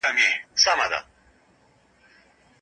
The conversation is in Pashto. تاسي کله د سرلوړي په مانا پوهېدی؟